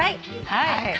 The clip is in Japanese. はい。